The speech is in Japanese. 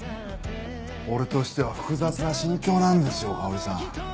俺としては複雑な心境なんですよかほりさん。